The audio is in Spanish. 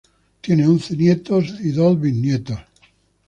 Tiene once nietos y dos bisnietos